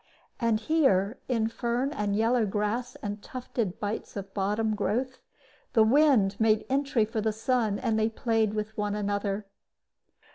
And here, in fern and yellow grass and tufted bights of bottom growth, the wind made entry for the sun, and they played with one another.